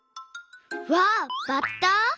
わあバッタ？